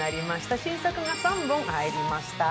新作が３本入りました。